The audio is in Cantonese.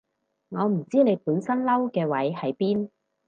我唔知你本身嬲嘅位喺邊